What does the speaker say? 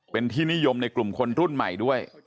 เป็นที่นิยมในกลุ่มคนรุ่นใหม่ด้วย